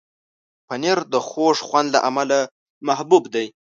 پنېر د خوږ خوند له امله محبوب دی.